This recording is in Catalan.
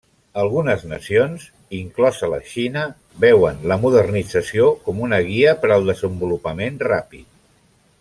Algunes nacions, inclosa la Xina, veuen la modernització com una guia per al desenvolupament ràpid.